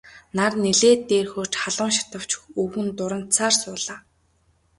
Нар нэлээд дээр хөөрч халуун шатавч өвгөн дурандсаар суулаа.